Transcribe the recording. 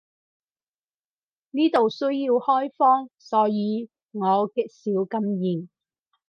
呢度需要開荒，所以我極少禁言